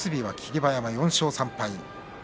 馬山４勝３敗。